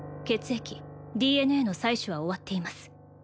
血液ＤＮＡの採取は終わっています